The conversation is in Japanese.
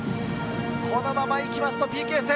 このまま行きますとＰＫ戦。